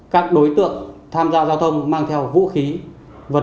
các đối tượng tham gia giao thông mang theo vũ khí vật liệu nổ